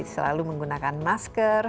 selalu menggunakan masker